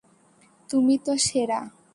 তুমি তো সেরা।